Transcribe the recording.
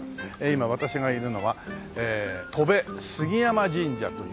今私がいるのはえ戸部杉山神社というね。